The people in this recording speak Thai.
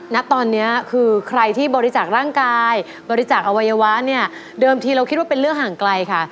ณตอนนี้คือใครที่บริจาคร่างกายบริจาคอวัยวะเนี่ยเดิมทีเราคิดว่าเป็นเรื่องห่างไกลค่ะ